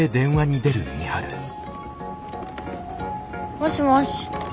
もしもし。